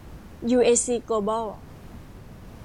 ยูเอซี โกลบอล